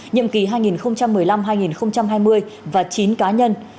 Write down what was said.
nhiệm kỳ hai nghìn một mươi năm hai nghìn hai mươi và chín cá nhân